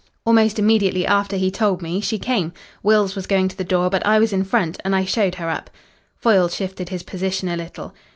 Almost immediately after he told me she came. Wills was going to the door, but I was in front, and I showed her up." Foyle shifted his position a little.